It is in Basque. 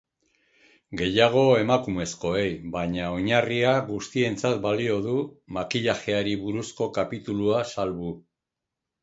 Gehiago emakumezkoei, baina oinarria guztientzat balio du, makillajeari buruzko kapitulua salbu.